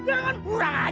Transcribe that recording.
jangan lo paling ducah pak